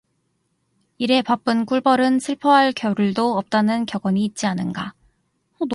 일에 바쁜 꿀벌은 슬퍼할 겨를도 없다는 격언이 있지 않은가.